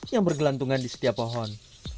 yang bergelantungan di setiap pohon